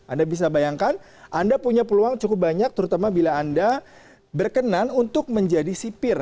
anda bisa bayangkan anda punya peluang cukup banyak terutama bila anda berkenan untuk menjadi sipir